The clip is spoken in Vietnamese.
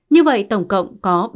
như vậy tổng cộng có